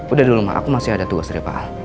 udah dulu mah aku masih ada tugas dari pak